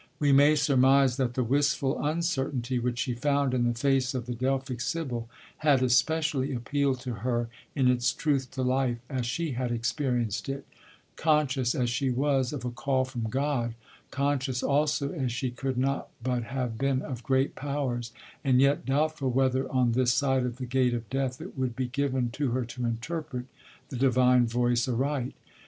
We may surmise that the wistful uncertainty which she found in the face of the Delphic Sibyl had especially appealed to her in its truth to life as she had experienced it; conscious as she was of a call from God, conscious also as she could not but have been of great powers, and yet doubtful whether on this side of the gate of Death it would be given to her to interpret the Divine voice aright.